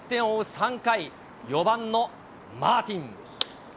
３回、４番のマーティン。